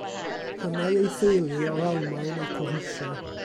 Hanai ei theulu o'r Almaen ac o Rwsia.